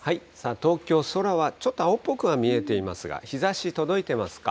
東京、青空はちょっと青っぽくは見えていますが、日ざし、届いてますか？